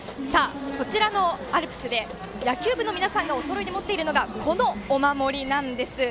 こちらのアルプスで野球部の皆さんがおそろいで持っているのがこのお守りなんです。